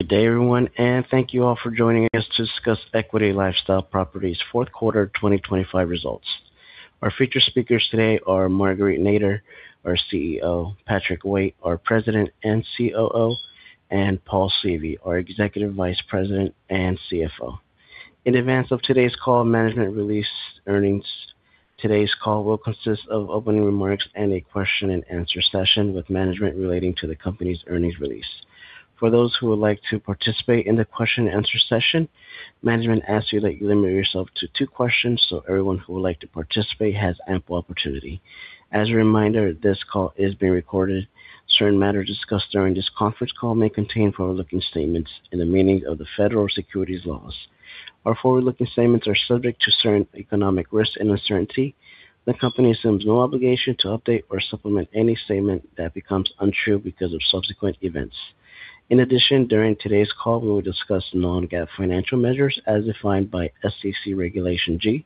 Good day, everyone, and thank you all for joining us to discuss Equity LifeStyle Properties' fourth quarter 2025 results. Our featured speakers today are Marguerite Nader, our CEO; Patrick Waite, our President and COO; and Paul Seavey, our Executive Vice President and CFO. In advance of today's call, management released earnings. Today's call will consist of opening remarks and a question-and-answer session with management relating to the company's earnings release. For those who would like to participate in the question-and-answer session, management asks you that you limit yourself to two questions, so everyone who would like to participate has ample opportunity. As a reminder, this call is being recorded. Certain matters discussed during this conference call may contain forward-looking statements in the meaning of the Federal Securities laws. Our forward-looking statements are subject to certain economic risks and uncertainty. The company assumes no obligation to update or supplement any statement that becomes untrue because of subsequent events. In addition, during today's call, we will discuss non-GAAP financial measures as defined by SEC Regulation G.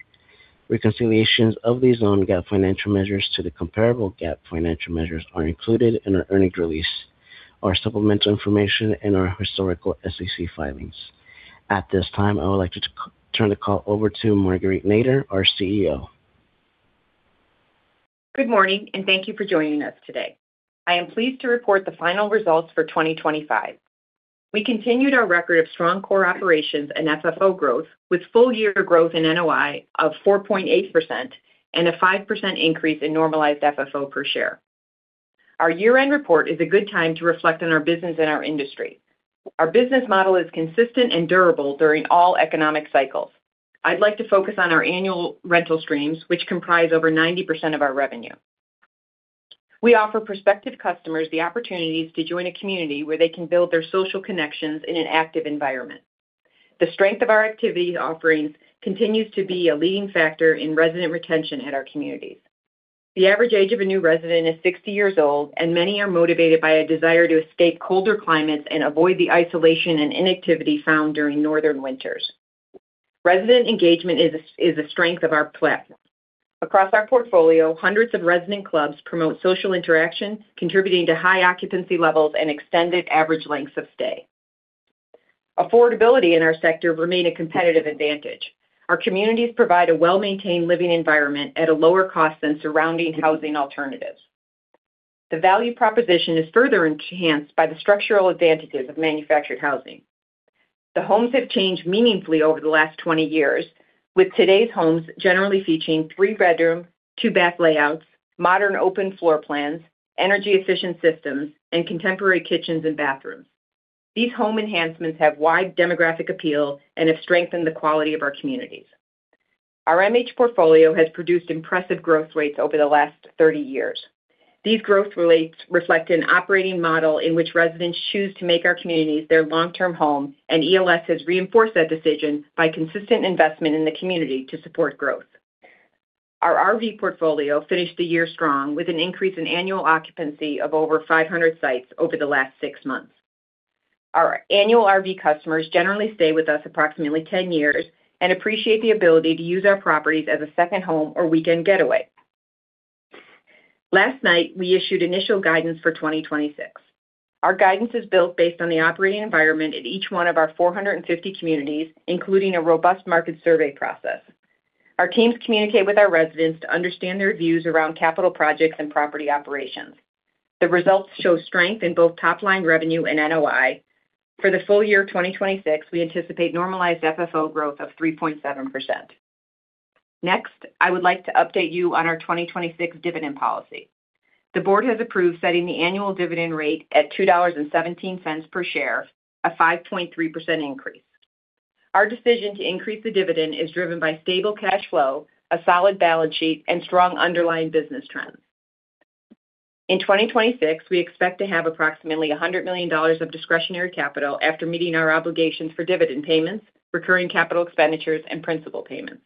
Reconciliations of these non-GAAP financial measures to the comparable GAAP financial measures are included in our earnings release, our supplemental information, and our historical SEC filings. At this time, I would like to turn the call over to Marguerite Nader, our CEO. Good morning, and thank you for joining us today. I am pleased to report the final results for 2025. We continued our record of strong core operations and FFO growth, with full-year growth in NOI of 4.8% and a 5% increase in normalized FFO per share. Our year-end report is a good time to reflect on our business and our industry. Our business model is consistent and durable during all economic cycles. I'd like to focus on our annual rental streams, which comprise over 90% of our revenue. We offer prospective customers the opportunities to join a community where they can build their social connections in an active environment. The strength of our activity offerings continues to be a leading factor in resident retention at our communities. The average age of a new resident is 60 years old, and many are motivated by a desire to escape colder climates and avoid the isolation and inactivity found during northern winters. Resident engagement is a strength of our platform. Across our portfolio, hundreds of resident clubs promote social interaction, contributing to high occupancy levels and extended average lengths of stay. Affordability in our sector remain a competitive advantage. Our communities provide a well-maintained living environment at a lower cost than surrounding housing alternatives. The value proposition is further enhanced by the structural advantages of manufactured housing. The homes have changed meaningfully over the last 20 years, with today's homes generally featuring 3-bedroom, 2-bath layouts, modern open floor plans, energy-efficient systems, and contemporary kitchens and bathrooms. These home enhancements have wide demographic appeal and have strengthened the quality of our communities. Our MH portfolio has produced impressive growth rates over the last 30 years. These growth reflect an operating model in which residents choose to make our communities their long-term home, and ELS has reinforced that decision by consistent investment in the community to support growth. Our RV portfolio finished the year strong, with an increase in annual occupancy of over 500 sites over the last six months. Our annual RV customers generally stay with us approximately 10 years and appreciate the ability to use our properties as a second home or weekend getaway. Last night, we issued initial guidance for 2026. Our guidance is built based on the operating environment at each one of our 450 communities, including a robust market survey process. Our teams communicate with our residents to understand their views around capital projects and property operations. The results show strength in both top-line revenue and NOI. For the full year 2026, we anticipate normalized FFO growth of 3.7%. Next, I would like to update you on our 2026 dividend policy. The board has approved setting the annual dividend rate at $2.17 per share, a 5.3% increase. Our decision to increase the dividend is driven by stable cash flow, a solid balance sheet, and strong underlying business trends. In 2026, we expect to have approximately $100 million of discretionary capital after meeting our obligations for dividend payments, recurring capital expenditures, and principal payments.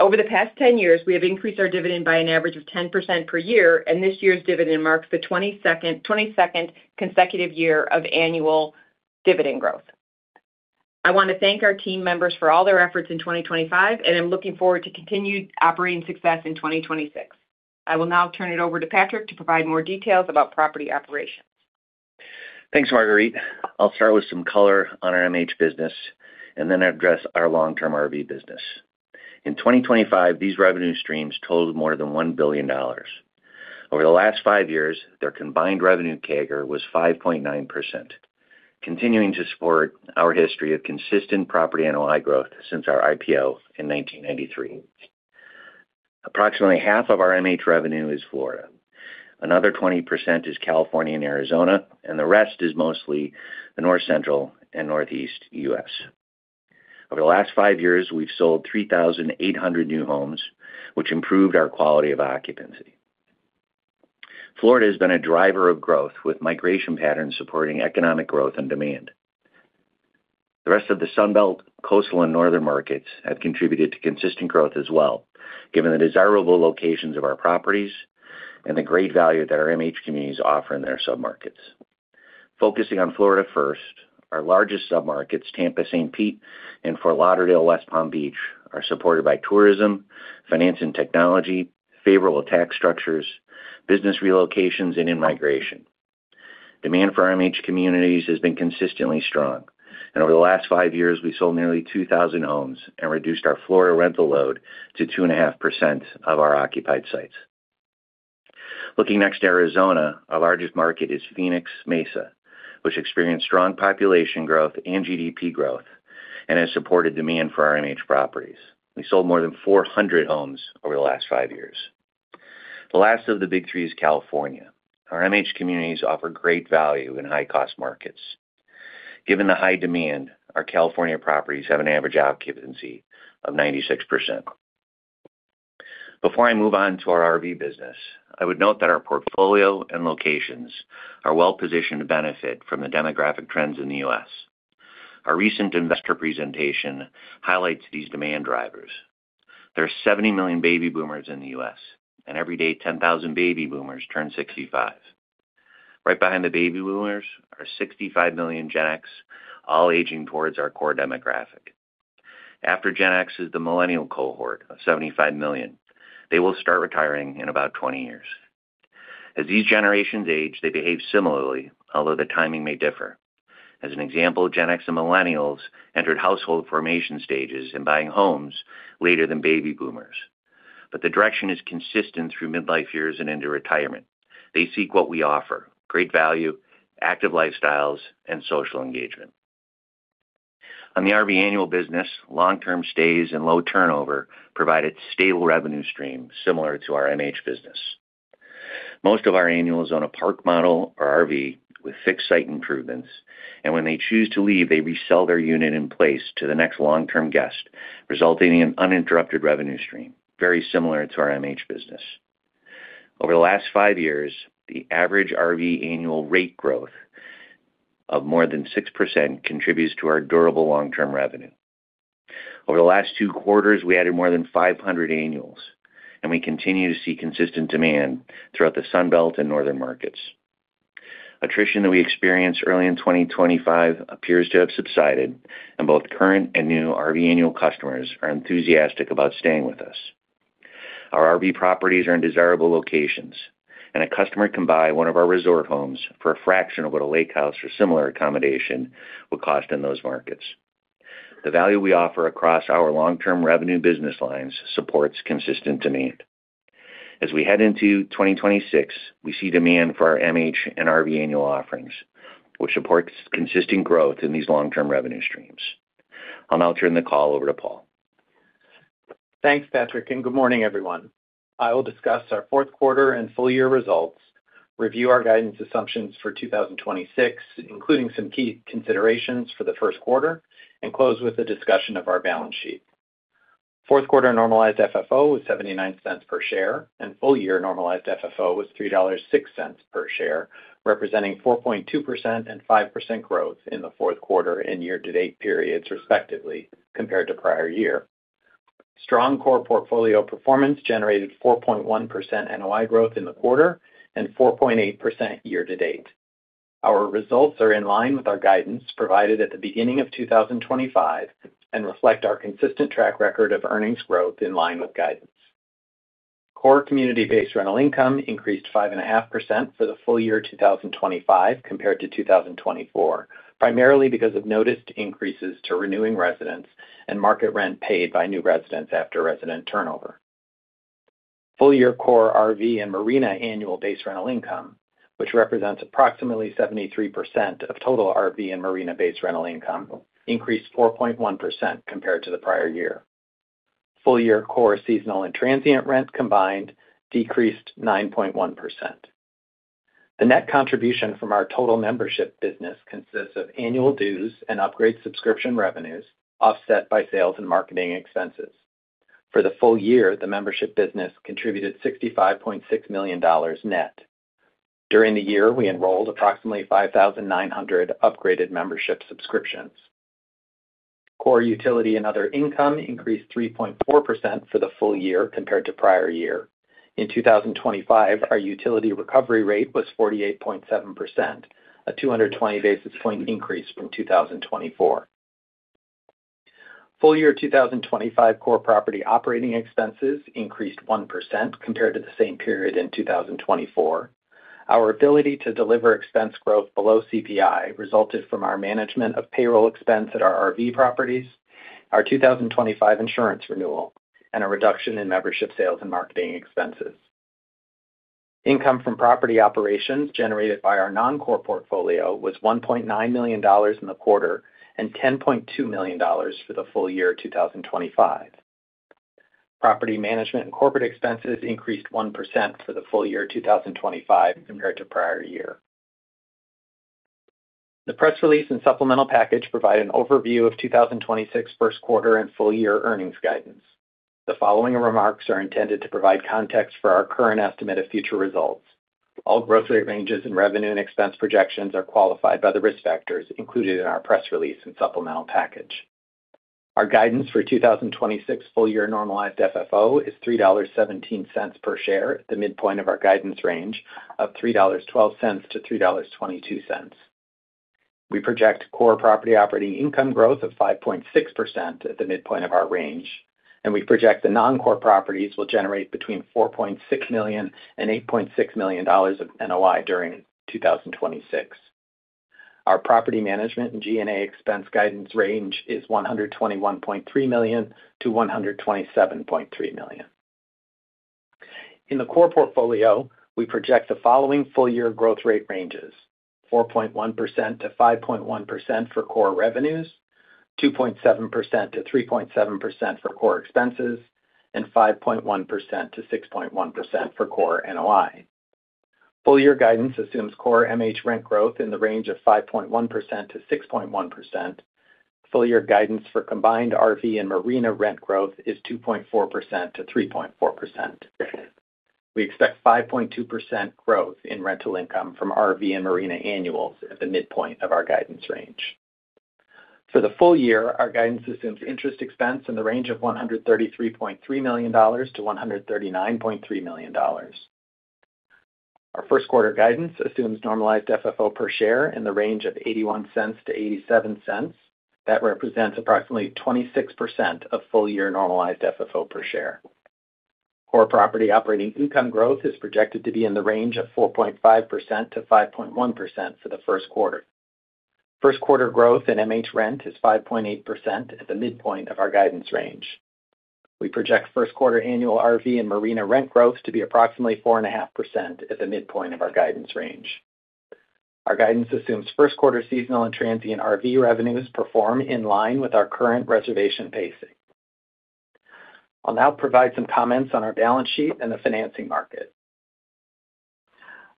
Over the past 10 years, we have increased our dividend by an average of 10% per year, and this year's dividend marks the 22nd, 22nd consecutive year of annual dividend growth. I want to thank our team members for all their efforts in 2025, and I'm looking forward to continued operating success in 2026. I will now turn it over to Patrick to provide more details about property operations. Thanks, Marguerite. I'll start with some color on our MH business and then address our long-term RV business. In 2025, these revenue streams totaled more than $1 billion. Over the last five years, their combined revenue CAGR was 5.9%, continuing to support our history of consistent property NOI growth since our IPO in 1993. Approximately half of our MH revenue is Florida. Another 20% is California and Arizona, and the rest is mostly the North Central and Northeast US. Over the last five years, we've sold 3,800 new homes, which improved our quality of occupancy. Florida has been a driver of growth, with migration patterns supporting economic growth and demand. The rest of the Sun Belt, coastal, and northern markets have contributed to consistent growth as well, given the desirable locations of our properties and the great value that our MH communities offer in their submarkets. Focusing on Florida first, our largest submarkets, Tampa-St. Pete and Fort Lauderdale-West Palm Beach, are supported by tourism, finance and technology, favorable tax structures, business relocations, and in-migration. Demand for our MH communities has been consistently strong, and over the last five years, we sold nearly 2,000 homes and reduced our floor rental load to 2.5% of our occupied sites. Looking next to Arizona, our largest market is Phoenix-Mesa, which experienced strong population growth and GDP growth and has supported demand for our MH properties. We sold more than 400 homes over the last 5 years. The last of the big three is California. Our MH communities offer great value in high-cost markets. Given the high demand, our California properties have an average occupancy of 96%. Before I move on to our RV business, I would note that our portfolio and locations are well-positioned to benefit from the demographic trends in the U.S. Our recent investor presentation highlights these demand drivers. There are 70 million baby boomers in the U.S., and every day, 10,000 baby boomers turn 65. Right behind the baby boomers are 65 million Gen X, all aging towards our core demographic. After Gen X is the millennial cohort of 75 million. They will start retiring in about 20 years. As these generations age, they behave similarly, although the timing may differ. As an example, Gen X and millennials entered household formation stages and buying homes later than baby boomers, but the direction is consistent through midlife years and into retirement. They seek what we offer: great value, active lifestyles, and social engagement. On the RV annual business, long-term stays and low turnover provided stable revenue stream similar to our MH business. Most of our annuals own a park model or RV with fixed site improvements, and when they choose to leave, they resell their unit in place to the next long-term guest, resulting in an uninterrupted revenue stream, very similar to our MH business. Over the last five years, the average RV annual rate growth of more than 6% contributes to our durable long-term revenue. Over the last two quarters, we added more than 500 annuals, and we continue to see consistent demand throughout the Sun Belt and northern markets. Attrition that we experienced early in 2025 appears to have subsided, and both current and new RV annual customers are enthusiastic about staying with us. Our RV properties are in desirable locations, and a customer can buy one of our resort homes for a fraction of what a lake house or similar accommodation will cost in those markets. The value we offer across our long-term revenue business lines supports consistent demand. As we head into 2026, we see demand for our MH and RV annual offerings, which supports consistent growth in these long-term revenue streams. I'll now turn the call over to Paul. Thanks, Patrick, and good morning, everyone. I will discuss our fourth quarter and full year results, review our guidance assumptions for 2026, including some key considerations for the first quarter, and close with a discussion of our balance sheet. Fourth quarter normalized FFO was $0.79 per share, and full year normalized FFO was $3.06 per share, representing 4.2% and 5% growth in the fourth quarter and year-to-date periods, respectively, compared to prior year. Strong core portfolio performance generated 4.1% NOI growth in the quarter and 4.8% year to date. Our results are in line with our guidance provided at the beginning of 2025 and reflect our consistent track record of earnings growth in line with guidance. Core community-based rental income increased 5.5% for the full year 2025 compared to 2024, primarily because of rate increases to renewing residents and market rent paid by new residents after resident turnover. Full year core RV and marina annual base rental income, which represents approximately 73% of total RV and marina-based rental income, increased 4.1% compared to the prior year. Full year core, seasonal, and transient rent combined decreased 9.1%. The net contribution from our total membership business consists of annual dues and upgrade subscription revenues, offset by sales and marketing expenses. For the full year, the membership business contributed $65.6 million net. During the year, we enrolled approximately 5,900 upgraded membership subscriptions. Core utility and other income increased 3.4% for the full year compared to prior year. In 2025, our utility recovery rate was 48.7%, a 220 basis point increase from 2024. Full year 2025 core property operating expenses increased 1% compared to the same period in 2024. Our ability to deliver expense growth below CPI resulted from our management of payroll expense at our RV properties, our 2025 insurance renewal, and a reduction in membership sales and marketing expenses. Income from property operations generated by our non-core portfolio was $1.9 million in the quarter and $10.2 million for the full year 2025. Property management and corporate expenses increased 1% for the full year 2025 compared to prior year. The press release and supplemental package provide an overview of 2026 first quarter and full year earnings guidance. The following remarks are intended to provide context for our current estimate of future results. All gross rate ranges in revenue and expense projections are qualified by the risk factors included in our press release and supplemental package. Our guidance for 2026 full year normalized FFO is $3.17 per share, the midpoint of our guidance range of $3.12-$3.22. We project core property operating income growth of 5.6% at the midpoint of our range, and we project the non-core properties will generate between $4.6 million and $8.6 million of NOI during 2026. Our property management and G&A expense guidance range is $121.3 million-$127.3 million. In the core portfolio, we project the following full year growth rate ranges: 4.1%-5.1% for core revenues, 2.7%-3.7% for core expenses, and 5.1%-6.1% for core NOI. Full year guidance assumes core MH rent growth in the range of 5.1%-6.1%. Full year guidance for combined RV and marina rent growth is 2.4%-3.4%. We expect 5.2% growth in rental income from RV and marina annuals at the midpoint of our guidance range. For the full year, our guidance assumes interest expense in the range of $133.3 million-$139.3 million. Our first quarter guidance assumes normalized FFO per share in the range of $0.81-$0.87. That represents approximately 26% of full-year normalized FFO per share. Core property operating income growth is projected to be in the range of 4.5%-5.1% for the first quarter. First quarter growth in MH rent is 5.8% at the midpoint of our guidance range. We project first quarter annual RV and marina rent growth to be approximately 4.5% at the midpoint of our guidance range. Our guidance assumes first quarter seasonal and transient RV revenues perform in line with our current reservation pacing. I'll now provide some comments on our balance sheet and the financing market.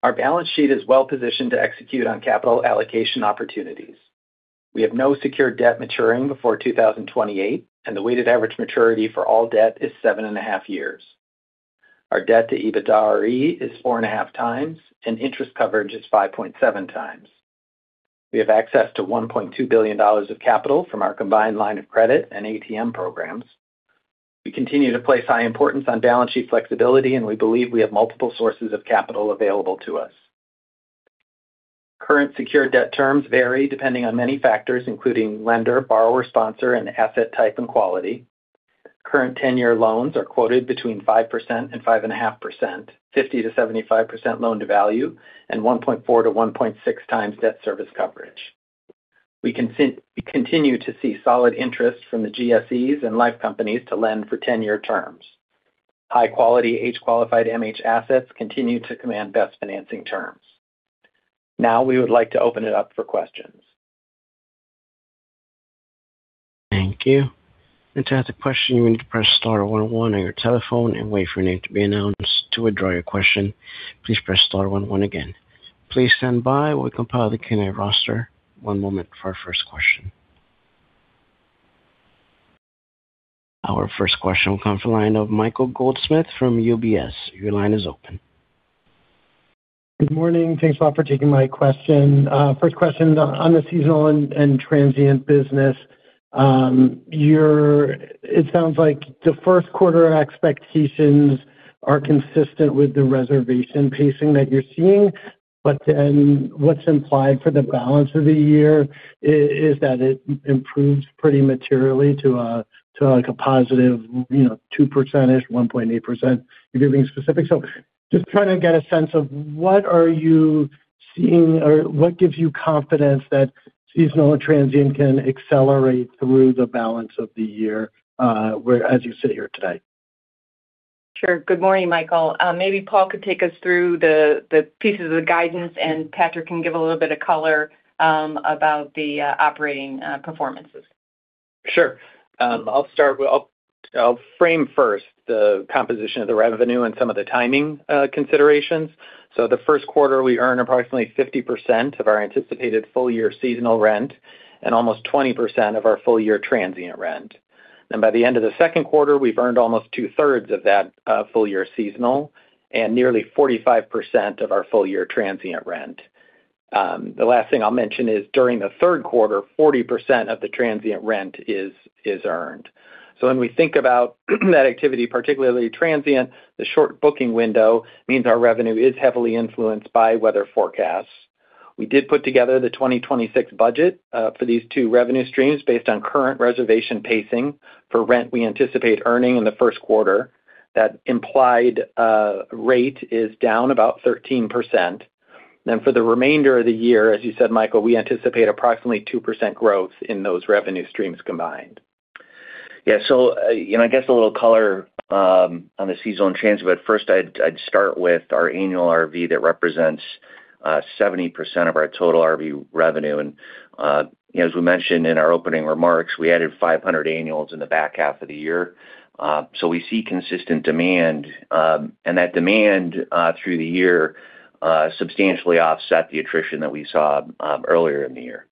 Our balance sheet is well positioned to execute on capital allocation opportunities. We have no secured debt maturing before 2028, and the weighted average maturity for all debt is 7.5 years. Our debt to EBITDARE is 4.5 times, and interest coverage is 5.7 times. We have access to $1.2 billion of capital from our combined line of credit and ATM programs. We continue to place high importance on balance sheet flexibility, and we believe we have multiple sources of capital available to us. Current secured debt terms vary depending on many factors, including lender, borrower, sponsor, and asset type and quality. Current ten-year loans are quoted between 5% and 5.5%, 50%-75% loan-to-value, and 1.4-1.6 times debt service coverage. We continue to see solid interest from the GSEs and life companies to lend for ten-year terms. High-quality, age-qualified MH assets continue to command best financing terms. Now, we would like to open it up for questions. Thank you. And to ask a question, you need to press star one one on your telephone and wait for your name to be announced. To withdraw your question, please press star one one again. Please stand by while we compile the Q&A roster. One moment for our first question. Our first question will come from the line of Michael Goldsmith from UBS. Your line is open. Good morning. Thanks, Paul, for taking my question. First question is on the seasonal and transient business. It sounds like the first quarter expectations are consistent with the reservation pacing that you're seeing, but then what's implied for the balance of the year is that it improves pretty materially to a, to, like, a positive, you know, 2%, 1.8%. You're being specific. So just trying to get a sense of what are you seeing or what gives you confidence that seasonal and transient can accelerate through the balance of the year, whereas you sit here today? Sure. Good morning, Michael. Maybe Paul could take us through the pieces of the guidance, and Patrick can give a little bit of color about the operating performances. Sure. I'll start with... I'll frame first the composition of the revenue and some of the timing considerations. So the first quarter, we earn approximately 50% of our anticipated full-year seasonal rent and almost 20% of our full-year transient rent. Then by the end of the second quarter, we've earned almost two-thirds of that full-year seasonal and nearly 45% of our full-year transient rent. The last thing I'll mention is during the third quarter, 40% of the transient rent is earned. So when we think about that activity, particularly transient, the short booking window means our revenue is heavily influenced by weather forecasts. We did put together the 2026 budget for these two revenue streams based on current reservation pacing. For rent we anticipate earning in the first quarter, that implied rate is down about 13%. For the remainder of the year, as you said, Michael, we anticipate approximately 2% growth in those revenue streams combined. Yeah, so, you know, I guess a little color on the seasonal and transient, but first I'd start with our annual RV that represents 70% of our total RV revenue. And, as we mentioned in our opening remarks, we added 500 annuals in the back half of the year. So we see consistent demand, and that demand through the year substantially offset the attrition that we saw earlier in the year.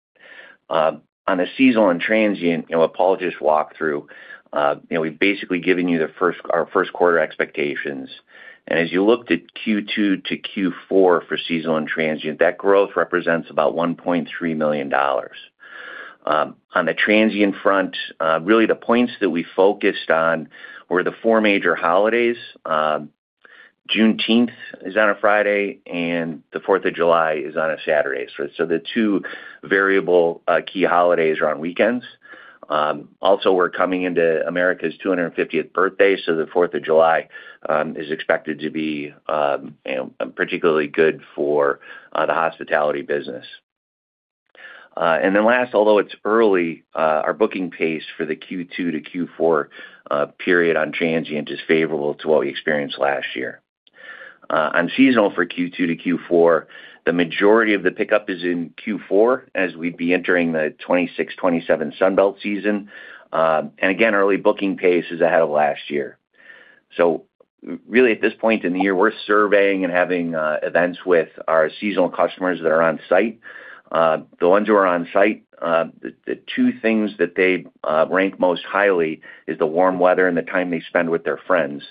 On the seasonal and transient, you know, what Paul just walked through, you know, we've basically given you our first quarter expectations. And as you looked at Q2 to Q4 for seasonal and transient, that growth represents about $1.3 million. On the transient front, really the points that we focused on were the four major holidays. Juneteenth is on a Friday, and the Fourth of July is on a Saturday. So the two variable key holidays are on weekends. Also, we're coming into America's 250th birthday, so the Fourth of July is expected to be, you know, particularly good for the hospitality business. And then last, although it's early, our booking pace for the Q2 to Q4 period on transient is favorable to what we experienced last year. On seasonal for Q2 to Q4, the majority of the pickup is in Q4, as we'd be entering the 2026, 2027 Sunbelt season. And again, early booking pace is ahead of last year. So really, at this point in the year, we're surveying and having events with our seasonal customers that are on site. The ones who are on site, the two things that they rank most highly is the warm weather and the time they spend with their friends.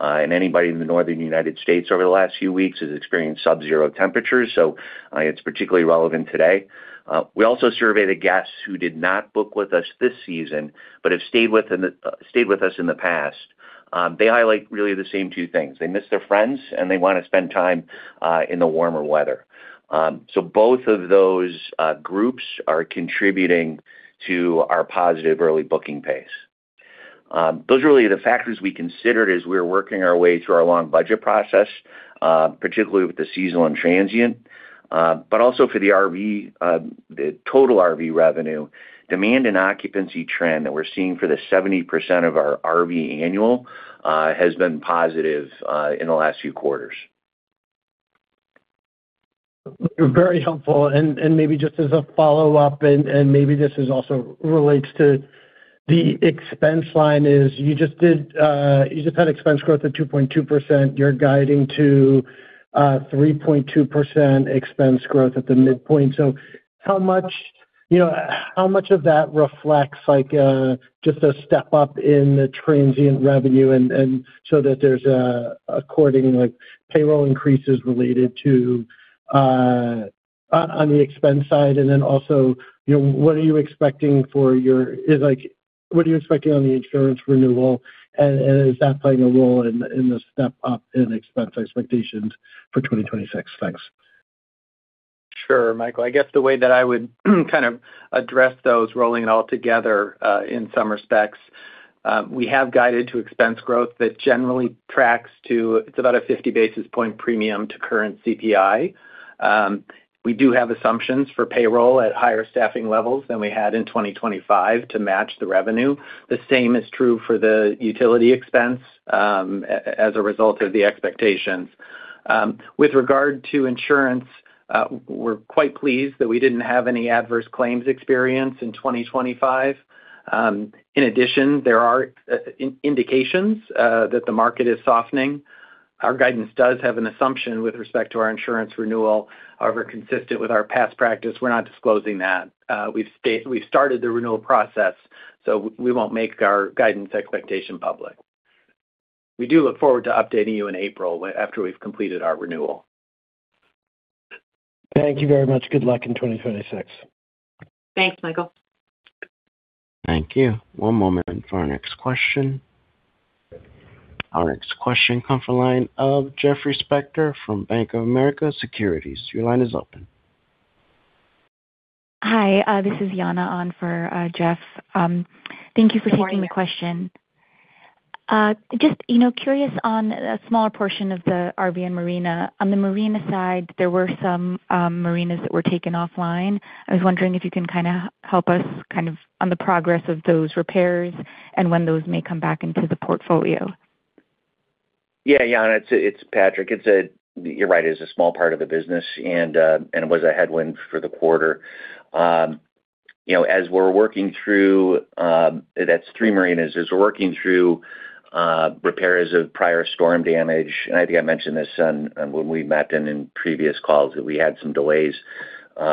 Anybody in the northern United States over the last few weeks has experienced subzero temperatures, so it's particularly relevant today. We also surveyed the guests who did not book with us this season but have stayed with us in the past. They highlight really the same two things: They miss their friends, and they wanna spend time in the warmer weather. So both of those groups are contributing to our positive early booking pace. Those are really the factors we considered as we were working our way through our long budget process, particularly with the seasonal and transient, but also for the RV, the total RV revenue. Demand and occupancy trend that we're seeing for the 70% of our RV annual has been positive in the last few quarters. Very helpful, and maybe just as a follow-up, and maybe this also relates to the expense line. You just had expense growth of 2.2%. You're guiding to 3.2% expense growth at the midpoint. So how much, you know, how much of that reflects like just a step up in the transient revenue and so that there's accordingly like payroll increases related to on the expense side? And then also, you know, what are you expecting for your insurance renewal, and is that playing a role in the step up in expense expectations for 2026? Thanks. Sure, Michael. I guess the way that I would, kind of address those, rolling it all together, in some respects, we have guided to expense growth that generally tracks to... It's about a 50 basis point premium to current CPI. We do have assumptions for payroll at higher staffing levels than we had in 2025 to match the revenue. The same is true for the utility expense, as a result of the expectations. With regard to insurance, we're quite pleased that we didn't have any adverse claims experience in 2025. In addition, there are indications that the market is softening. Our guidance does have an assumption with respect to our insurance renewal. However, consistent with our past practice, we're not disclosing that. We've started the renewal process, so we won't make our guidance expectation public. We do look forward to updating you in April, when, after we've completed our renewal. Thank you very much. Good luck in 2026. Thanks, Michael. Thank you. One moment for our next question. Our next question comes from the line of Jeffrey Spector from Bank of America Securities. Your line is open. Hi, this is Jana on for Jeff. Thank you for taking the question. Good morning. Just, you know, curious on a smaller portion of the RV and marina. On the marina side, there were some marinas that were taken offline. I was wondering if you can kinda help us, kind of, on the progress of those repairs and when those may come back into the portfolio. Yeah, Jana, it's Patrick. You're right, it is a small part of the business, and it was a headwind for the quarter. You know, as we're working through, that's three marinas, as we're working through, repairs of prior storm damage, and I think I mentioned this on, when we met and in previous calls, that we had some delays,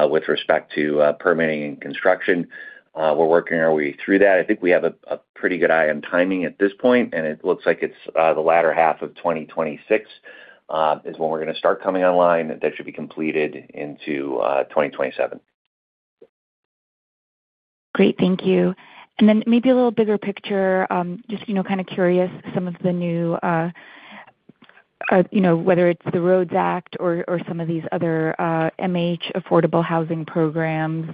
with respect to, permitting and construction. We're working our way through that. I think we have a pretty good eye on timing at this point, and it looks like it's the latter half of 2026, is when we're gonna start coming online. That should be completed into 2027. Great, thank you. And then maybe a little bigger picture, just, you know, kind of curious, some of the new, you know, whether it's the Roads Act or, or some of these other, MH affordable housing programs,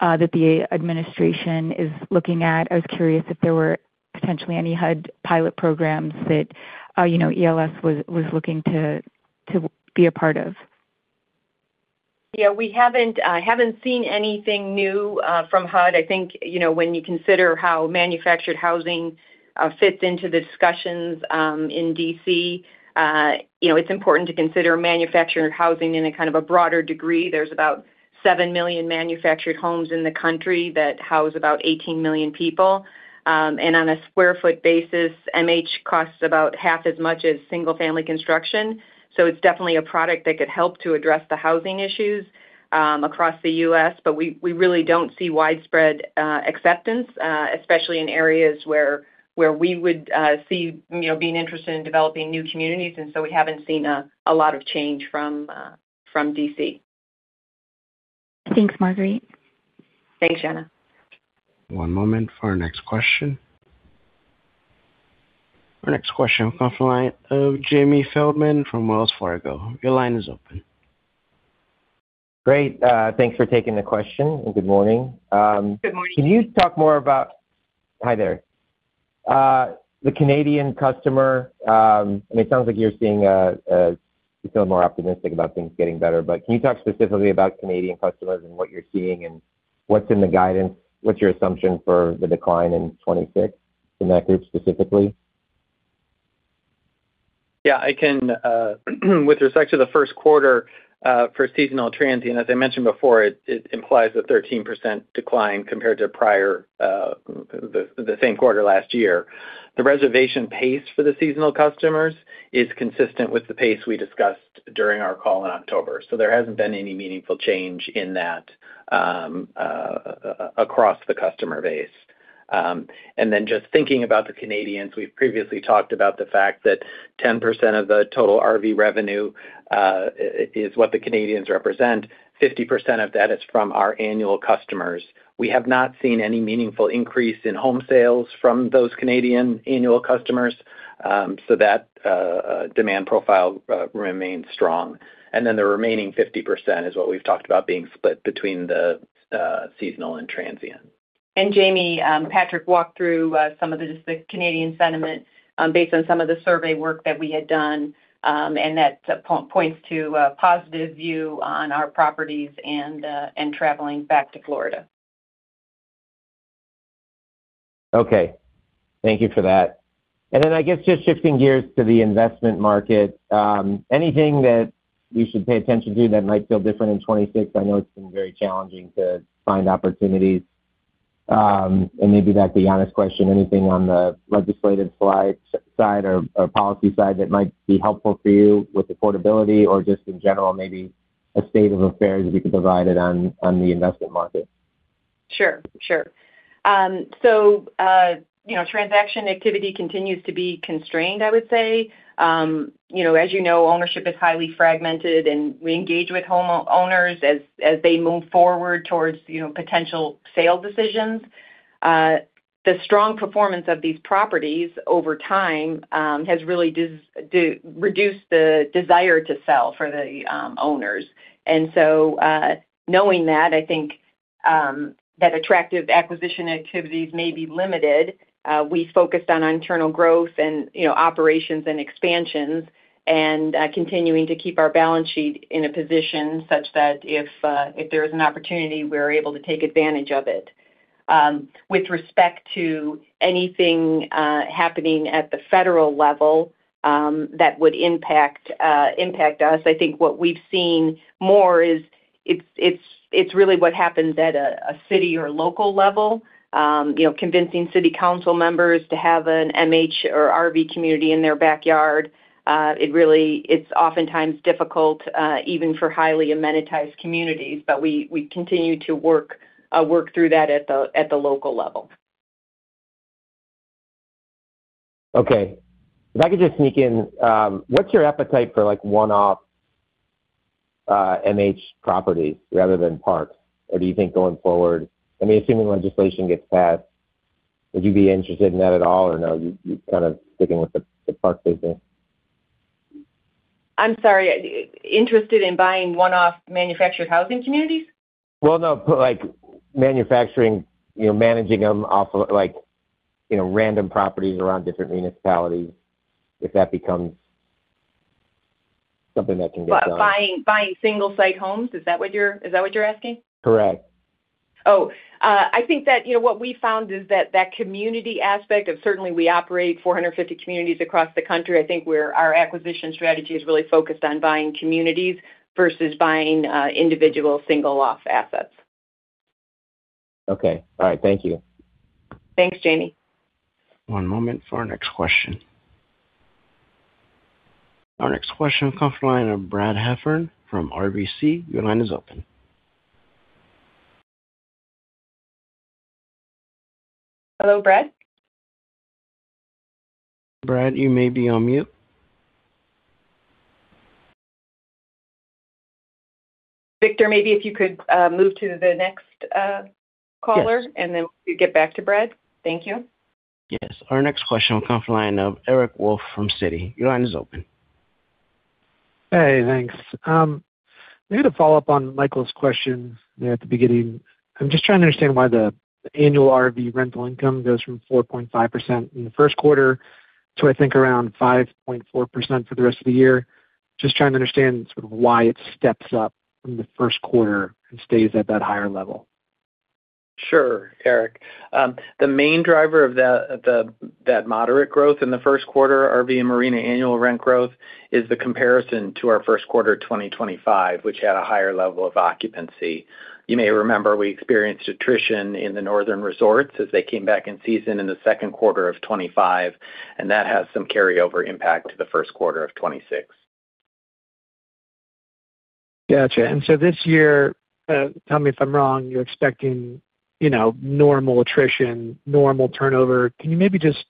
that the administration is looking at. I was curious if there were potentially any HUD pilot programs that, you know, ELS was looking to be a part of. Yeah, we haven't seen anything new from HUD. I think, you know, when you consider how manufactured housing fits into the discussions in D.C., you know, it's important to consider manufactured housing in a kind of a broader degree. There's about 7 million manufactured homes in the country that house about 18 million people. And on a square foot basis, MH costs about half as much as single-family construction, so it's definitely a product that could help to address the housing issues across the U.S. But we really don't see widespread acceptance, especially in areas where we would see, you know, being interested in developing new communities, and so we haven't seen a lot of change from D.C.... Thanks, Marguerite. Thanks, Jenna. One moment for our next question. Our next question comes from the line of Jamie Feldman from Wells Fargo. Your line is open. Great. Thanks for taking the question, and good morning. Good morning. Can you talk more about—hi there. The Canadian customer, I mean, it sounds like you're seeing you feel more optimistic about things getting better. But can you talk specifically about Canadian customers and what you're seeing and what's in the guidance? What's your assumption for the decline in 2026 in that group specifically? Yeah, I can, with respect to the first quarter, for seasonal transient, as I mentioned before, it implies a 13% decline compared to prior, the same quarter last year. The reservation pace for the seasonal customers is consistent with the pace we discussed during our call in October, so there hasn't been any meaningful change in that across the customer base. And then just thinking about the Canadians, we've previously talked about the fact that 10% of the total RV revenue is what the Canadians represent. 50% of that is from our annual customers. We have not seen any meaningful increase in home sales from those Canadian annual customers, so that demand profile remains strong. And then the remaining 50% is what we've talked about being split between the seasonal and transient. And Jamie, Patrick walked through some of the Canadian sentiment based on some of the survey work that we had done, and that points to a positive view on our properties and traveling back to Florida. Okay. Thank you for that. And then I guess just shifting gears to the investment market, anything that we should pay attention to that might feel different in 2026? I know it's been very challenging to find opportunities. And maybe that's the honest question, anything on the legislative slide, side or, or policy side that might be helpful for you with affordability or just in general, maybe a state of affairs you could provide it on, on the investment market? Sure, sure. So, you know, transaction activity continues to be constrained, I would say. You know, as you know, ownership is highly fragmented, and we engage with homeowners as they move forward towards, you know, potential sale decisions. The strong performance of these properties over time has really reduced the desire to sell for the owners. And so, knowing that, I think that attractive acquisition activities may be limited, we focused on internal growth and, you know, operations and expansions and continuing to keep our balance sheet in a position such that if there is an opportunity, we're able to take advantage of it. With respect to anything happening at the federal level that would impact us, I think what we've seen more is it's really what happens at a city or local level. You know, convincing city council members to have an MH or RV community in their backyard, it really, it's oftentimes difficult, even for highly amenitized communities, but we continue to work through that at the local level. Okay. If I could just sneak in, what's your appetite for, like, one-off, MH properties rather than parks? Or do you think going forward, I mean, assuming legislation gets passed, would you be interested in that at all, or no, you kind of sticking with the park business? I'm sorry, interested in buying one-off manufactured housing communities? Well, no, but like manufacturing, you know, managing them off of like, you know, random properties around different municipalities, if that becomes something that can get done. Buying, buying single-site homes, is that what you're asking? Correct. I think that, you know, what we found is that that community aspect of certainly we operate 450 communities across the country. I think we're, our acquisition strategy is really focused on buying communities versus buying individual single-off assets. Okay. All right. Thank you. Thanks, Jamie. One moment for our next question. Our next question comes from the line of Brad Heffern from RBC. Your line is open. Hello, Brad. Brad, you may be on mute. Victor, maybe if you could move to the next caller- Yes. And then we get back to Brad. Thank you. Yes. Our next question will come from the line of Eric Wolfe from Citi. Your line is open. Hey, thanks. Maybe to follow up on Michael's question there at the beginning, I'm just trying to understand why the annual RV rental income goes from 4.5% in the first quarter to, I think, around 5.4% for the rest of the year. Just trying to understand sort of why it steps up from the first quarter and stays at that higher level. Sure, Eric. The main driver of that moderate growth in the first quarter, RV and Marina annual rent growth, is the comparison to our first quarter of 2025, which had a higher level of occupancy. You may remember we experienced attrition in the northern resorts as they came back in season in the second quarter of 2025, and that has some carryover impact to the first quarter of 2026. Gotcha. And so this year, tell me if I'm wrong, you're expecting, you know, normal attrition, normal turnover. Can you maybe just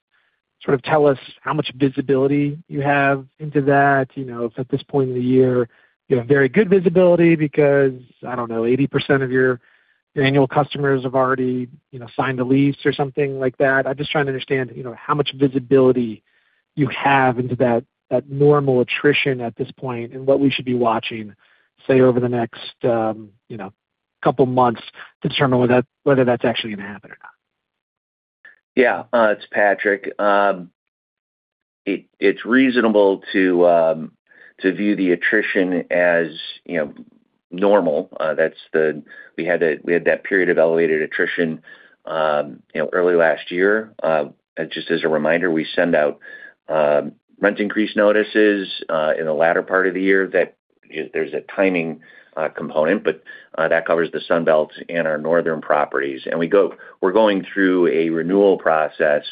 sort of tell us how much visibility you have into that, you know, if at this point in the year, you have very good visibility because, I don't know, 80% of your, your annual customers have already, you know, signed the lease or something like that? I'm just trying to understand, you know, how much visibility you have into that, that normal attrition at this point, and what we should be watching, say, over the next, you know, couple months to determine whether that, whether that's actually going to happen or not. Yeah. It's Patrick. It's reasonable to view the attrition as, you know, normal. That's. We had that period of elevated attrition, you know, early last year. Just as a reminder, we send out rent increase notices in the latter part of the year, that there's a timing component, but that covers the Sunbelt and our northern properties. And we're going through a renewal process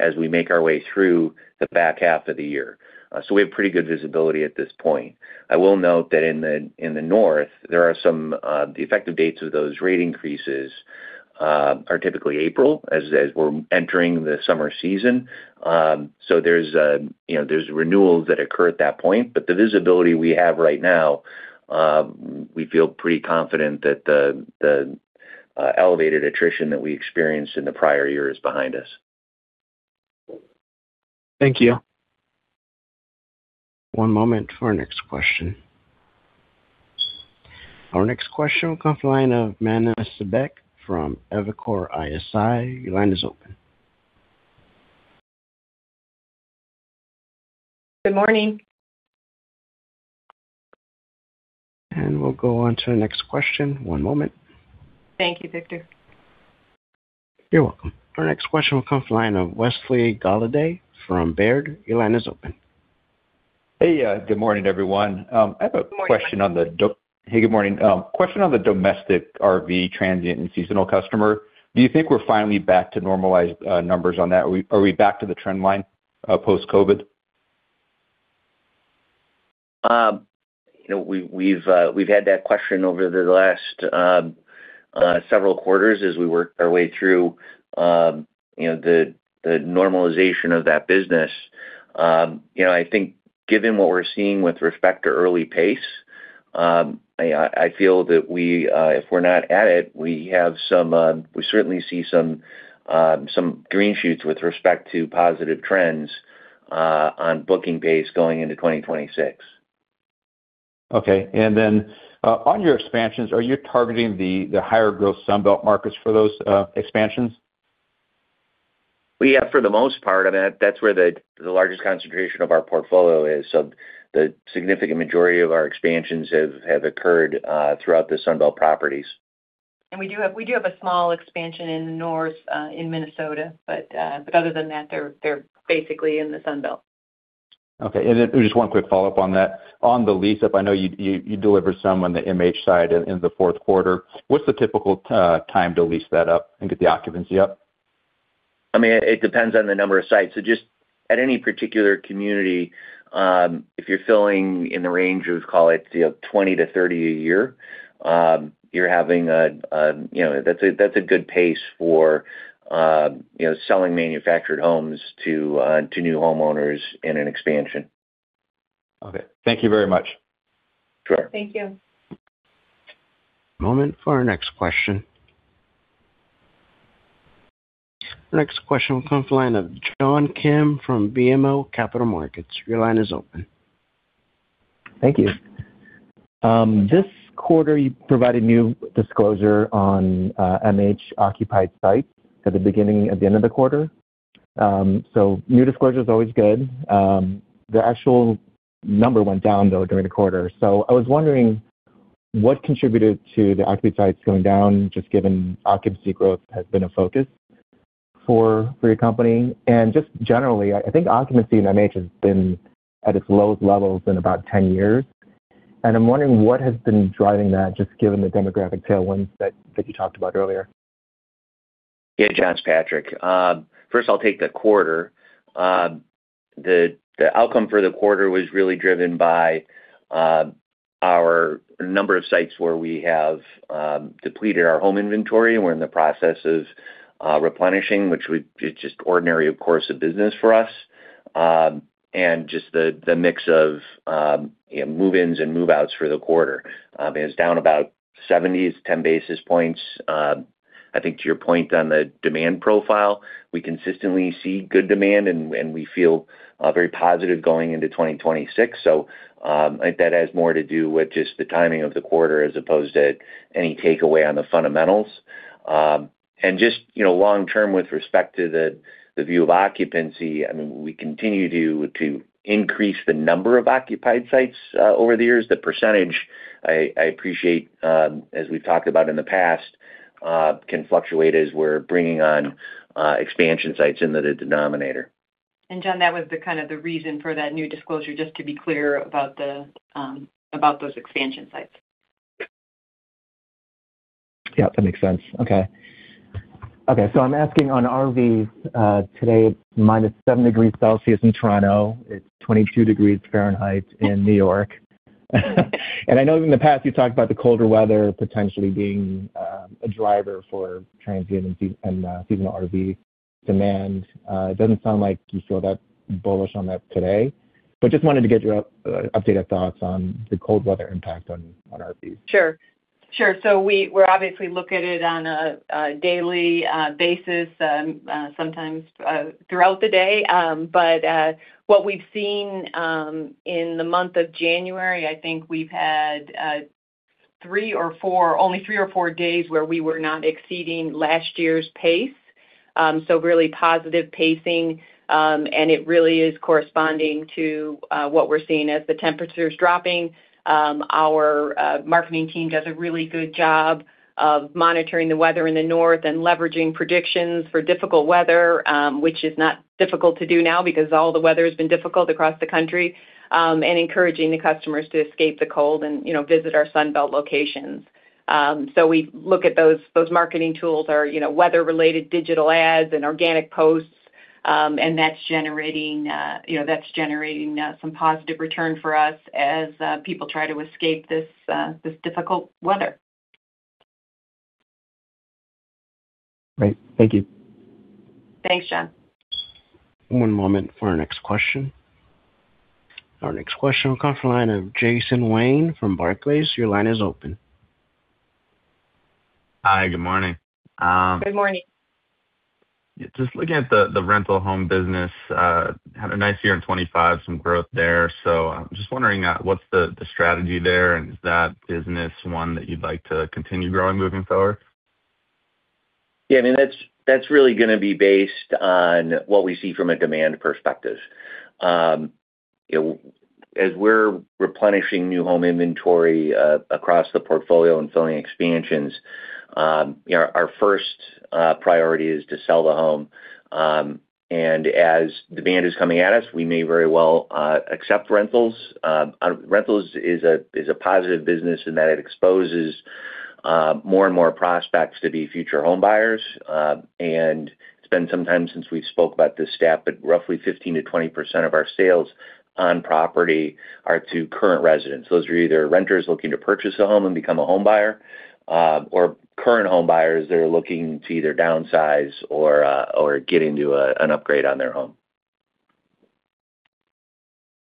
as we make our way through the back half of the year. So we have pretty good visibility at this point. I will note that in the north, there are some, the effective dates of those rate increases are typically April, as we're entering the summer season. So, you know, there are renewals that occur at that point, but the visibility we have right now, we feel pretty confident that the elevated attrition that we experienced in the prior year is behind us. Thank you. One moment for our next question. Our next question will come from the line of Mana Sebek from Evercore ISI. Your line is open. Good morning. We'll go on to the next question. One moment. Thank you, Victor. You're welcome. Our next question will come from the line of Wesley Golladay from Baird. Your line is open. Hey, good morning, everyone. I have a question. Good morning. Hey, good morning. Question on the domestic RV, transient, and seasonal customer. Do you think we're finally back to normalized numbers on that? Are we, are we back to the trend line post-COVID? You know, we've had that question over the last several quarters as we work our way through, you know, the normalization of that business. You know, I think given what we're seeing with respect to early pace, I feel that we, if we're not at it, we have some, we certainly see some green shoots with respect to positive trends on booking pace going into 2026. Okay. And then, on your expansions, are you targeting the higher growth Sunbelt markets for those expansions? We are, for the most part, I mean, that, that's where the largest concentration of our portfolio is. So the significant majority of our expansions have occurred throughout the Sunbelt properties. We do have a small expansion in the north, in Minnesota, but other than that, they're basically in the Sunbelt. Okay. And then just one quick follow-up on that. On the lease-up, I know you delivered some on the MH side in the fourth quarter. What's the typical time to lease that up and get the occupancy up? I mean, it depends on the number of sites. So just at any particular community, if you're filling in the range of, call it, you know, 20-30 a year, you know, that's a, that's a good pace for, you know, selling manufactured homes to, to new homeowners in an expansion. Okay. Thank you very much. Sure. Thank you. Moment for our next question. Our next question will come from the line of John Kim from BMO Capital Markets. Your line is open. Thank you. This quarter, you provided new disclosure on MH occupied sites at the beginning and the end of the quarter. New disclosure is always good. The actual number went down, though, during the quarter. I was wondering, what contributed to the occupied sites going down, just given occupancy growth has been a focus for your company? Just generally, I think occupancy in MH has been at its lowest levels in about 10 years, and I'm wondering what has been driving that, just given the demographic tailwind that you talked about earlier. Yeah, John, it's Patrick. First, I'll take the quarter. The outcome for the quarter was really driven by our number of sites where we have depleted our home inventory, and we're in the process of replenishing, which it's just ordinary course of business for us, and just the mix of, you know, move-ins and move-outs for the quarter. It was down about 70, it's 10 basis points. I think to your point on the demand profile, we consistently see good demand, and we feel very positive going into 2026. So, I think that has more to do with just the timing of the quarter as opposed to any takeaway on the fundamentals. And just, you know, long term, with respect to the view of occupancy, I mean, we continue to increase the number of occupied sites over the years. The percentage, I appreciate, as we've talked about in the past, can fluctuate as we're bringing on expansion sites into the denominator. John, that was the kind of reason for that new disclosure, just to be clear about those expansion sites. Yeah, that makes sense. Okay. Okay, so I'm asking on RV today, -7 degrees Celsius in Toronto. It's 22 degrees Fahrenheit in New York. I know in the past, you've talked about the colder weather potentially being a driver for transient and seasonal RV demand. It doesn't sound like you feel that bullish on that today, but just wanted to get your updated thoughts on the cold weather impact on RVs. Sure. Sure. So we're obviously look at it on a daily basis, sometimes throughout the day. But what we've seen in the month of January, I think we've had three or four, only three or four days where we were not exceeding last year's pace. So really positive pacing, and it really is corresponding to what we're seeing. As the temperature is dropping, our marketing team does a really good job of monitoring the weather in the north and leveraging predictions for difficult weather, which is not difficult to do now because all the weather's been difficult across the country, and encouraging the customers to escape the cold and, you know, visit our Sunbelt locations. So we look at those marketing tools are, you know, weather-related digital ads and organic posts, and that's generating, you know, some positive return for us as people try to escape this difficult weather. Great. Thank you. Thanks, John. One moment for our next question. Our next question will come from the line of Jason Wayne from Barclays. Your line is open. Hi, good morning. Good morning. Just looking at the rental home business, had a nice year in 2025, some growth there. So I'm just wondering, what's the strategy there, and is that business one that you'd like to continue growing moving forward? Yeah, I mean, that's really gonna be based on what we see from a demand perspective. You know, as we're replenishing new home inventory across the portfolio and filling expansions, you know, our first priority is to sell the home. And as demand is coming at us, we may very well accept rentals. Rentals is a positive business in that it exposes more and more prospects to be future home buyers. And it's been some time since we spoke about this stat, but roughly 15%-20% of our sales on property are to current residents. Those are either renters looking to purchase a home and become a home buyer, or current home buyers that are looking to either downsize or get into an upgrade on their home.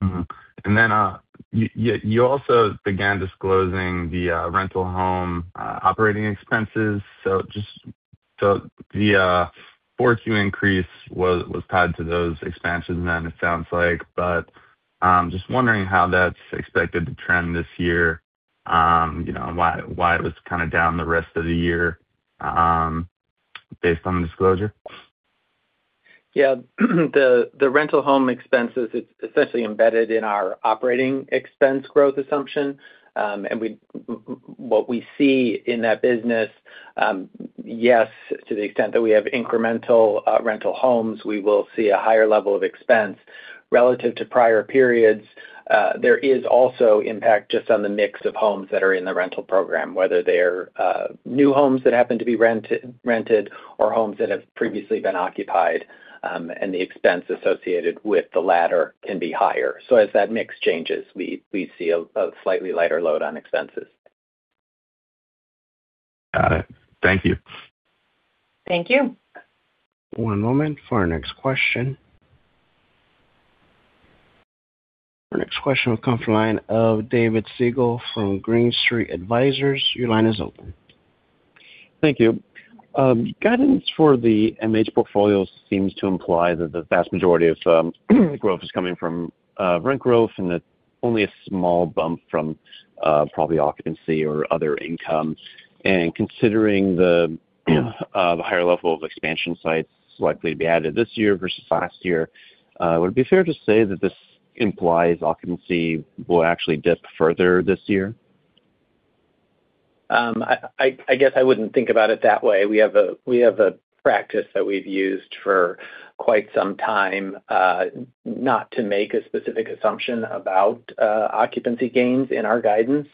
Mm-hmm. And then you also began disclosing the rental home operating expenses. So just the fourth year increase was tied to those expansions then, it sounds like. But just wondering how that's expected to trend this year, you know, and why it was kind of down the rest of the year, based on the disclosure? Yeah. The rental home expenses, it's essentially embedded in our operating expense growth assumption. And what we see in that business, yes, to the extent that we have incremental rental homes, we will see a higher level of expense relative to prior periods. There is also impact just on the mix of homes that are in the rental program, whether they're new homes that happen to be rented, rented, or homes that have previously been occupied, and the expense associated with the latter can be higher. So as that mix changes, we see a slightly lighter load on expenses. Got it. Thank you. Thank you. One moment for our next question. Our next question will come from the line of David Siegel from Green Street Advisors. Your line is open. Thank you. Guidance for the MH portfolio seems to imply that the vast majority of growth is coming from rent growth and that only a small bump from probably occupancy or other income. And considering the higher level of expansion sites likely to be added this year versus last year, would it be fair to say that this implies occupancy will actually dip further this year? I guess I wouldn't think about it that way. We have a practice that we've used for quite some time, not to make a specific assumption about occupancy gains in our guidance,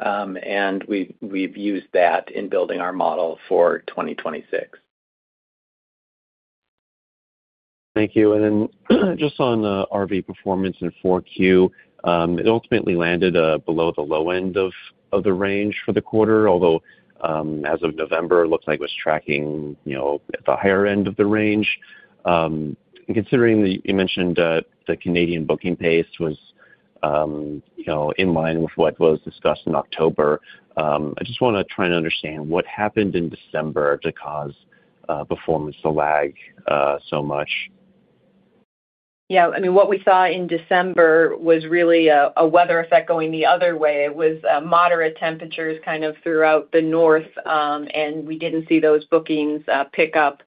and we've used that in building our model for 2026. Thank you. Then, just on RV performance in 4Q, it ultimately landed below the low end of the range for the quarter, although as of November, it looked like it was tracking, you know, at the higher end of the range. Considering that you mentioned the Canadian booking pace was, you know, in line with what was discussed in October, I just wanna try and understand what happened in December to cause performance to lag so much? Yeah, I mean, what we saw in December was really a weather effect going the other way. It was moderate temperatures kind of throughout the north, and we didn't see those bookings pick up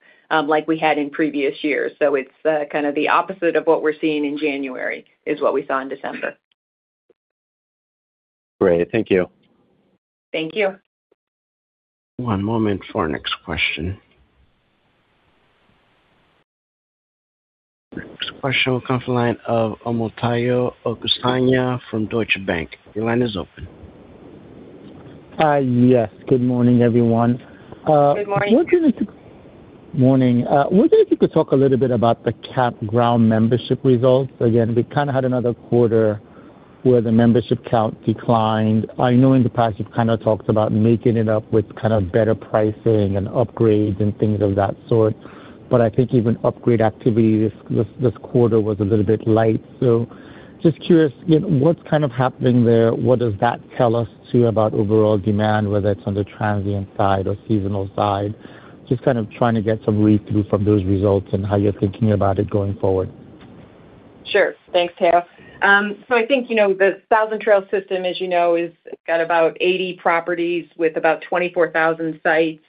like we had in previous years. So it's kind of the opposite of what we're seeing in January, is what we saw in December. Great. Thank you. Thank you. One moment for our next question. Next question will come from the line of Omotayo Okusanya from Deutsche Bank. Your line is open.... Yes. Good morning, everyone. Good morning. Morning. Wondering if you could talk a little bit about the campground membership results. Again, we kind of had another quarter where the membership count declined. I know in the past, you've kind of talked about making it up with kind of better pricing and upgrades and things of that sort, but I think even upgrade activity this quarter was a little bit light. So just curious, you know, what's kind of happening there? What does that tell us, too, about overall demand, whether it's on the transient side or seasonal side? Just kind of trying to get some read-through from those results and how you're thinking about it going forward. Sure. Thanks, Tao. So I think, you know, the Thousand Trails system, as you know, is got about 80 properties with about 24,000 sites,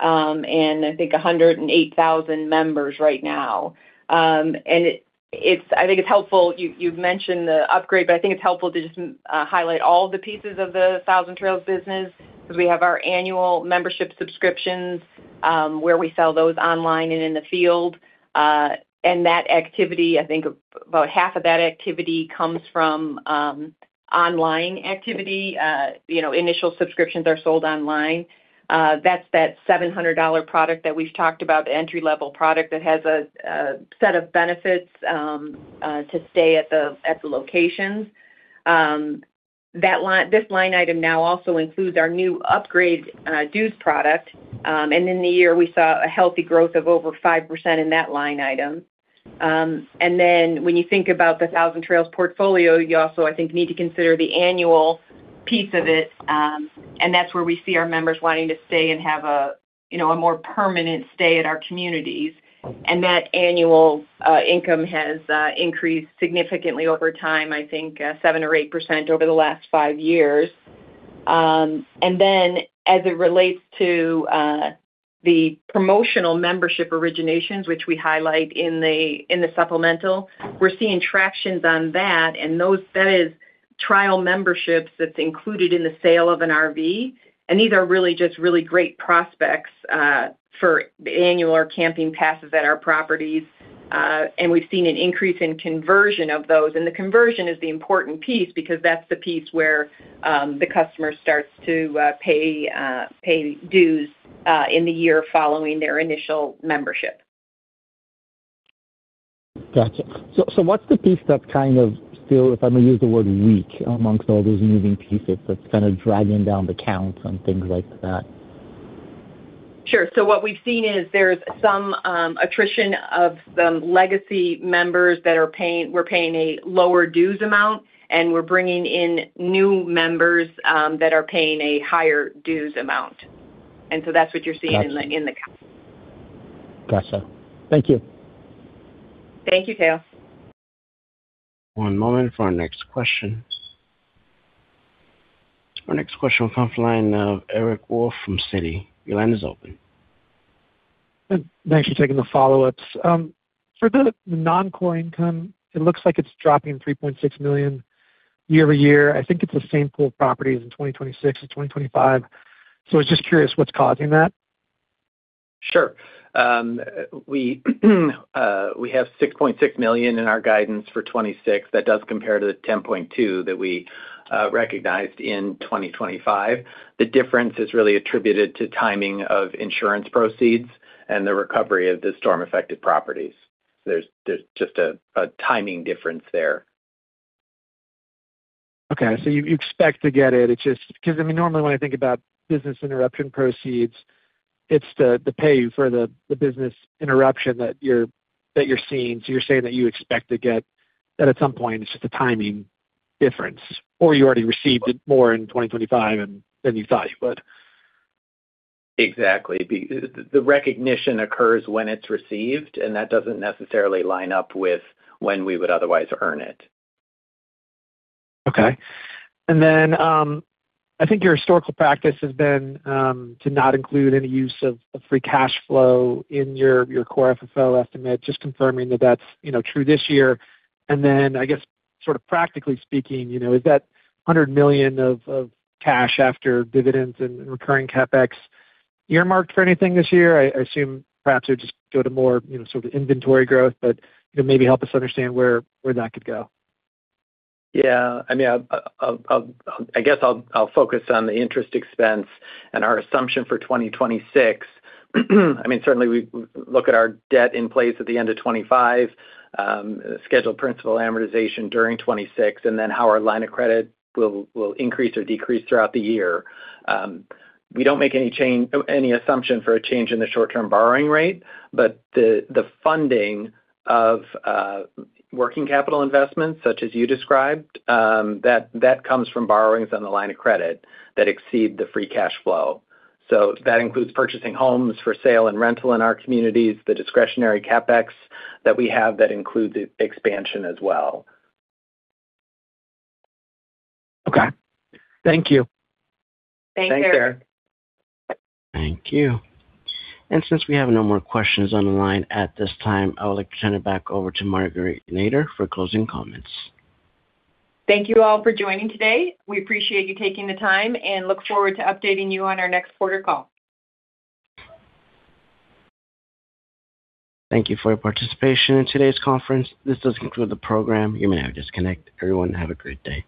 and I think 108,000 members right now. And it, it's—I think it's helpful, you, you've mentioned the upgrade, but I think it's helpful to just highlight all the pieces of the Thousand Trails business. Because we have our annual membership subscriptions, where we sell those online and in the field. And that activity, I think about half of that activity comes from online activity. You know, initial subscriptions are sold online. That's that $700 product that we've talked about, the entry-level product that has a set of benefits to stay at the locations. That line—this line item now also includes our new upgrade, dues product. And in the year, we saw a healthy growth of over 5% in that line item. And then when you think about the Thousand Trails portfolio, you also, I think, need to consider the annual piece of it, and that's where we see our members wanting to stay and have a, you know, a more permanent stay at our communities. And that annual income has increased significantly over time, I think, 7% or 8% over the last 5 years. And then, as it relates to the promotional membership originations, which we highlight in the supplemental, we're seeing traction on that, and those—that is trial memberships that's included in the sale of an RV. These are really just really great prospects for annual or camping passes at our properties. We've seen an increase in conversion of those. The conversion is the important piece, because that's the piece where the customer starts to pay dues in the year following their initial membership. Gotcha. So, so what's the piece that kind of still, if I may use the word, weak amongst all those moving pieces that's kind of dragging down the counts on things like that? Sure. So what we've seen is there's some attrition of the legacy members that are paying, were paying a lower dues amount, and we're bringing in new members that are paying a higher dues amount. And so that's what you're seeing in the count. Gotcha. Thank you. Thank you, Tao. One moment for our next question. Our next question comes from the line of Eric Wolfe from Citi. Your line is open. Thanks for taking the follow-ups. For the non-core income, it looks like it's dropping $3.6 million year-over-year. I think it's the same pool of properties in 2026 as 2025. I was just curious what's causing that? Sure. We have $6.6 million in our guidance for 2026. That does compare to the $10.2 million that we recognized in 2025. The difference is really attributed to timing of insurance proceeds and the recovery of the storm-affected properties. There's just a timing difference there. Okay, so you expect to get it. It's just because, I mean, normally, when I think about business interruption proceeds, it's the pay for the business interruption that you're seeing. So you're saying that you expect to get... That at some point, it's just a timing difference, or you already received it more in 2025 than you thought you would? Exactly. The recognition occurs when it's received, and that doesn't necessarily line up with when we would otherwise earn it. Okay. And then, I think your historical practice has been, to not include any use of, of free cash flow in your, your core FFO estimate. Just confirming that that's, you know, true this year. And then, I guess, sort of practically speaking, you know, is that $100 million of, of cash after dividends and recurring CapEx earmarked for anything this year? I, I assume perhaps you'll just go to more, you know, sort of inventory growth, but, you know, maybe help us understand where, where that could go. Yeah, I mean, I'll focus on the interest expense and our assumption for 2026. I mean, certainly we look at our debt in place at the end of 2025, scheduled principal amortization during 2026, and then how our line of credit will increase or decrease throughout the year. We don't make any assumption for a change in the short-term borrowing rate, but the funding of working capital investments, such as you described, that comes from borrowings on the line of credit that exceed the free cash flow. So that includes purchasing homes for sale and rental in our communities, the discretionary CapEx that we have that includes expansion as well. Okay. Thank you. Thanks, Eric. Thank you. And since we have no more questions on the line at this time, I would like to turn it back over to Marguerite Nader for closing comments. Thank you all for joining today. We appreciate you taking the time, and look forward to updating you on our next quarter call. Thank you for your participation in today's conference. This does conclude the program. You may now disconnect. Everyone, have a great day.